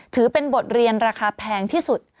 ถือเป็นบทเรียนราคาแพงที่สุด